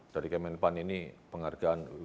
dari kemenpan ini penghargaan